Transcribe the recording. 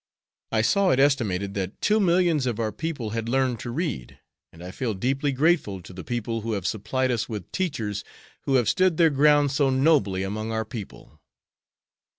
I saw it estimated that two millions of our people had learned to read, and I feel deeply grateful to the people who have supplied us with teachers who have stood their ground so nobly among our people."